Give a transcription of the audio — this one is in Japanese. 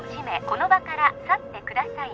この場から去ってください